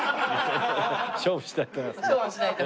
勝負しないと。